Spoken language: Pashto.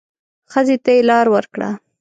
ښځې ته يې لار ورکړه.